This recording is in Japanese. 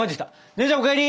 姉ちゃんお帰り！